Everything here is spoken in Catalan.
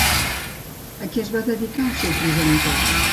A què es va dedicar el seu progenitor?